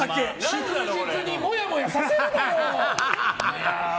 祝日に、もやもやさせるなよ！